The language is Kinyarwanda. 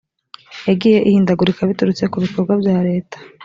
yagiye ihindagurika biturutse ku bikorwa bya leta